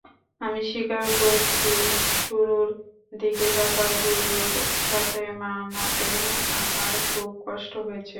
আমি স্বীকার করছি শুরুর দিকে ব্যাপারগুলোর সাথে মানাতে আমার খুব কষ্ট হয়েছে।